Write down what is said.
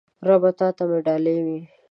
ربه تاته مې ډالۍ وی